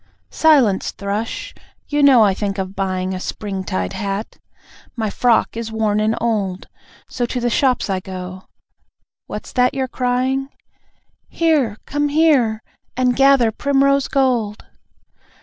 Silence, Thrush! You know I think of buying A Spring tide hat; my frock is worn and old. So to the shops I go. What's that you're crying? (Here! Come here! And gather primrose gold.)